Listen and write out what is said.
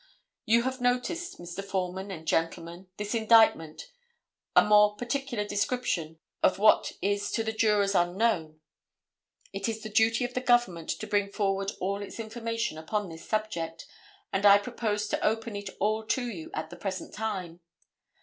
You have noticed, Mr. Foreman and gentlemen, this indictment, a more particular description of which is to the jurors unknown. It is the duty of the Government to bring forward all its information upon this subject, and I propose to open it all to you at the present time.